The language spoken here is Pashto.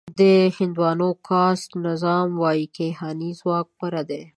د هندوانو کاسټ نظام وايي کیهاني ځواک غوره کوي.